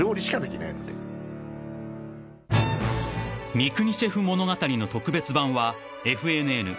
［『三國シェフ物語』の特別版はＦＮＮプライム